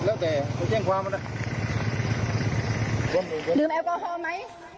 ลืมแอลโกฮอล์ไหม